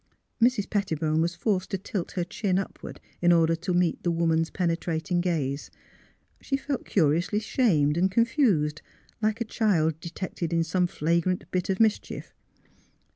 Mrs. Petti bone was forced to tilt her chin upward, in order to meet the woman's penetrating gaze. She felt curiously shamed and confused, like a child de tected in some flagrant bit of mischief.